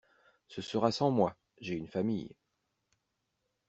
Ce sera sans moi, j'ai une famille.